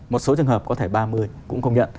một số trường hợp có thể ba mươi cũng công nhận